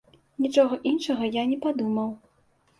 Нічога іншага я не падумаў.